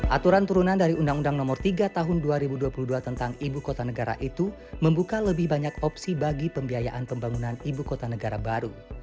aturan turunan dari undang undang nomor tiga tahun dua ribu dua puluh dua tentang ibu kota negara itu membuka lebih banyak opsi bagi pembiayaan pembangunan ibu kota negara baru